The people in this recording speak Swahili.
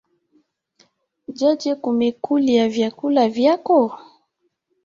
Jaje kumekulya vyakulya vyako?